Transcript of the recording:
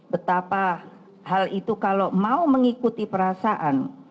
betapa hal itu kalau mau mengikuti perasaan